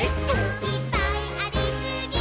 「いっぱいありすぎー！！」